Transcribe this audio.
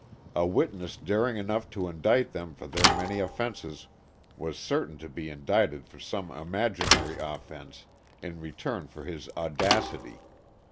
A witness daring enough to indict them for their many offences was certain to be indicted for some imaginary offense in return for his audacity.